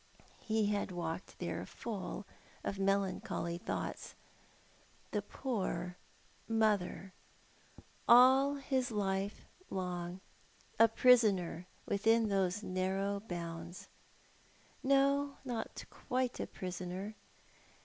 He walked there full of melancholy thoughts. The poor mother — all his life long a prisoner within those narrow bounds. No, not quite a prisoner.